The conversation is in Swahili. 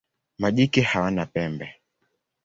Majike hawana pembe.